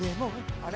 あれ？